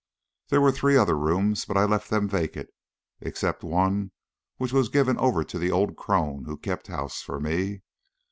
There were three other rooms, but I left them vacant, except one which was given over to the old crone who kept house for me.